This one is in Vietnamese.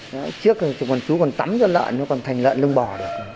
trước thì còn chú còn tắm cho lợn nó còn thành lợn lưng bò được